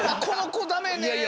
「この子だめね」